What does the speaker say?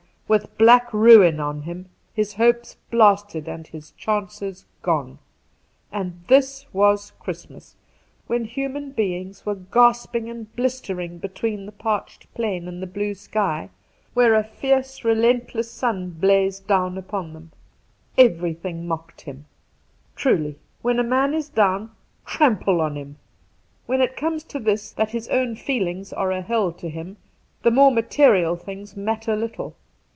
Ay, with black ruin on him, his hopes blasted and his chances gone. And this was Christmas, when human beings were gasping and blistering between the parched plain and the blue sky, where a fierce relentless sun blazed down 190 Two Christmas Days upon them. Everything mocked him. Truly, when a man is down, trample on him ! When it comes to this, that his own feelings are a hell to him, the more material, things matter little.